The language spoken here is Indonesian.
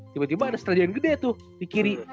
tiba tiba ada stadion gede tuh di kiri